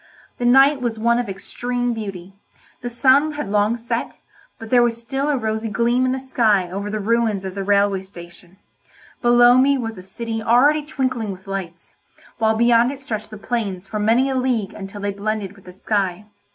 The night was one of extreme beauty; the sun had long set, but there was still a rosy gleam in the sky over the ruins of the railway station; below me was the city already twinkling with lights, while beyond it stretched the plains for many a league until they blended with the sky.